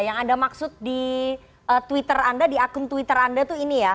yang anda maksud di twitter anda di akun twitter anda tuh ini ya